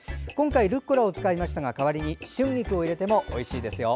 ルッコラを今回使ったんですが代わりに春菊を入れてもおいしいですよ。